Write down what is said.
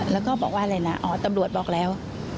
แล้วก็บอกว่าอะไรนะอ๋อตำรวจบอกแล้ว